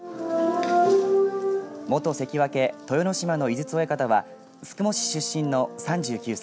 元関脇、豊ノ島の井筒親方は宿毛市出身の３９歳。